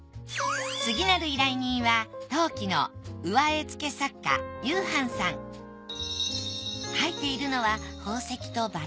次なる依頼人は描いているのは宝石と薔薇。